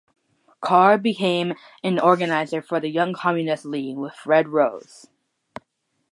Carr became an organizer for the Young Communist League with Fred Rose.